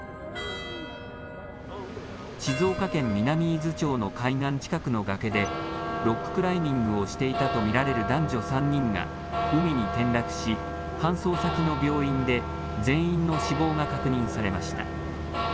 静岡県南伊豆町の海岸近くの崖で、ロッククライミングをしていたと見られる男女３人が、海に転落し、搬送先の病院で全員の死亡が確認されました。